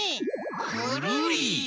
くるり！